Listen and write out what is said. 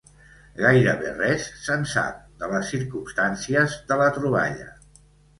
Gairebé res se'n sap de les circumstàncies de la troballa.